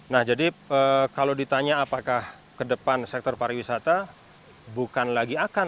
nah jadi kalau ditanya apakah ke depan sektor pariwisata bukan lagi akan